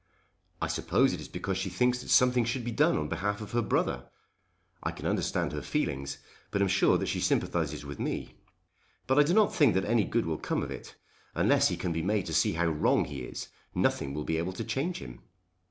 "I suppose it is because she thinks that something should be done on behalf of her brother. I can understand her feeling, and am sure that she sympathises with me. But I do not think that any good will come of it. Unless he can be made to see how wrong he is nothing will be able to change him.